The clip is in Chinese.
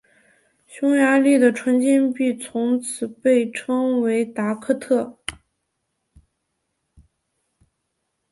匈牙利的纯金币从此被称为达克特。